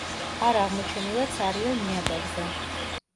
არ აღმოჩენილა ცარიელ ნიადაგზე.